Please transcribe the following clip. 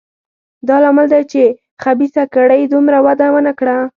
دا لامل دی چې خبیثه کړۍ دومره وده ونه کړه.